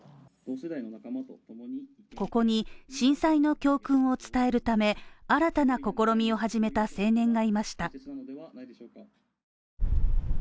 ここに震災の教訓を伝えるため、新たな試みを始めた青年がいました。